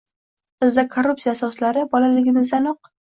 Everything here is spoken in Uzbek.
Bizda korrupsiya asoslari, bolaligimizdanoq